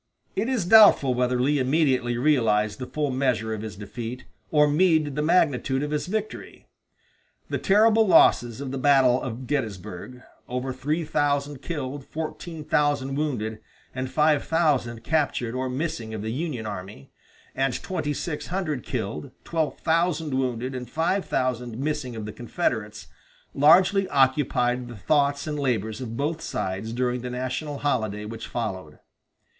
It is doubtful whether Lee immediately realized the full measure of his defeat, or Meade the magnitude of his victory. The terrible losses of the battle of Gettysburg over three thousand killed, fourteen thousand wounded, and five thousand captured or missing of the Union army; and twenty six hundred killed, twelve thousand wounded, and five thousand missing of the Confederates largely occupied the thoughts and labors of both sides during the national holiday which followed.